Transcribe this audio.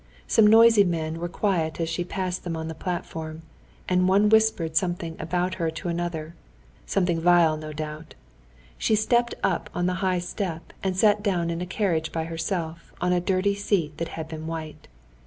Some noisy men were quiet as she passed them on the platform, and one whispered something about her to another—something vile, no doubt. She stepped up on the high step, and sat down in a carriage by herself on a dirty seat that had been white.